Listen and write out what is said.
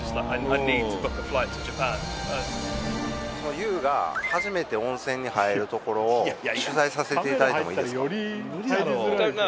ＹＯＵが初めて温泉に入るところを取材させていただいてもいいですか？